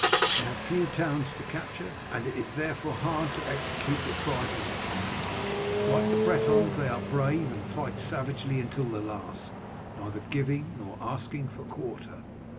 They have few towns to capture, and it is therefore hard to execute reprisals upon them. Like the Bretons they are brave, and fight savagely until the last, neither giving nor asking for quarter.